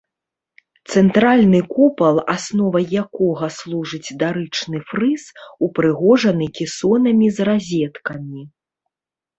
Цэнтральны купал, асновай якога служыць дарычны фрыз, упрыгожаны кесонамі з разеткамі.